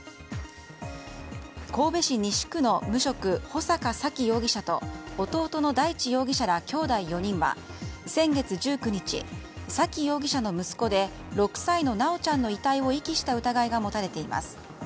神戸市西区の無職穂坂沙喜容疑者と弟の大地容疑者らきょうだい４人は先月１９日、沙喜容疑者の息子で６歳の修ちゃんの遺体を遺棄した疑いが持たれています。